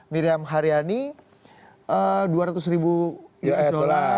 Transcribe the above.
miriam hariani dua ratus ribu us dollar